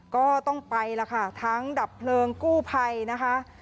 ก็ต้องไปแล้วค่ะทั้งดับเพลิงกู้ภัยนะคะ